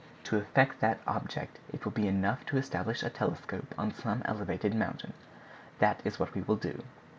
To effect that object it will be enough to establish a telescope on some elevated mountain. That is what we will do."